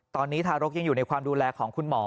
ตอนนี้ทารกยังอยู่ในความดูแลของคุณหมอ